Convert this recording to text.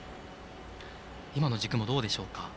今の軸もどうでしょうか。